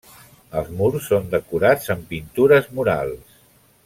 Els murs són decorats amb pintures murals.